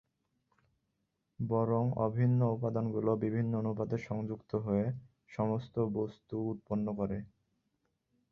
বরং অভিন্ন উপাদানগুলো বিভিন্ন অনুপাতে সংযুক্ত হয়ে সমস্ত বস্তু উৎপন্ন করে।